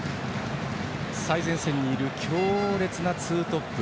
最前線にいる強烈なツートップ。